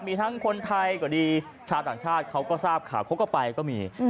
มีทั้งคนไทยก็ดีชาวต่างชาติเขาก็ทราบข่าวเขาก็ไปก็มี